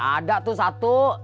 ada tuh satu